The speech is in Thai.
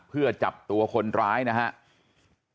เพื่อจับตัวคนร้ายนะครับ